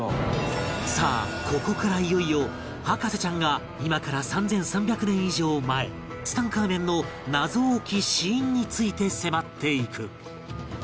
さあここからいよいよ博士ちゃんが今から３３００年以上前ツタンカーメンの謎多き死因について迫っていく